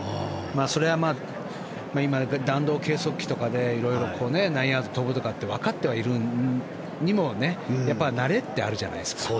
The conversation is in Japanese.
それは今、弾道計測器とかで何ヤード飛ぶとかわかってはいるにもやっぱり慣れってあるじゃないですか。